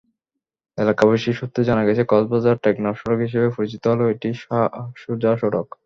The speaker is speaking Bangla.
এলাকাবাসী সূত্রে জানা গেছে, কক্সবাজার-টেকনাফ সড়ক হিসেবে পরিচিতি হলেও এটি শাহ সুজা সড়ক।